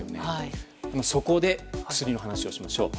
そこで、薬の話をしましょう。